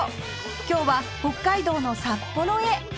今日は北海道の札幌へ！